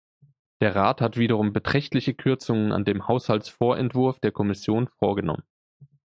Der Rat hat wiederum beträchtliche Kürzungen an dem Haushaltsvorentwurf der Kommission vorgenommen.